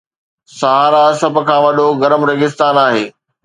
صحارا سڀ کان وڏو گرم ريگستان آهي